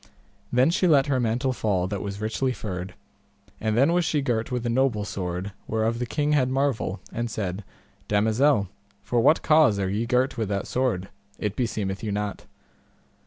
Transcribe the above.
Then she let her mantle fall that was richly furred; and then was she girt with a noble sword whereof the king had marvel, and said, Damosel, for what cause are ye girt with that sword? it beseemeth you not.